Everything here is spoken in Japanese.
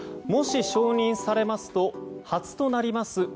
もし承認されますと初となります